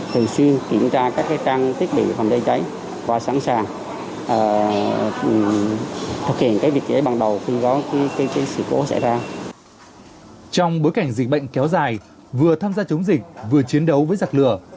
trong bối cảnh dịch bệnh kéo dài vừa tham gia chống dịch vừa chiến đấu với giặc lửa